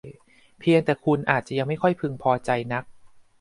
เพียงแต่คุณอาจยังไม่ค่อยพึงพอใจนัก